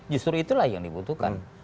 justru itulah yang dibutuhkan